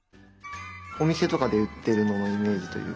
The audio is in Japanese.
おみせとかでうってるイメージというか。